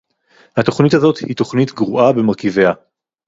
התוכנית הזאת היא תוכנית גרועה במרכיביה